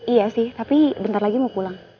iya sih tapi bentar lagi mau pulang